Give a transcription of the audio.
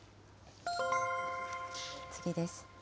次です。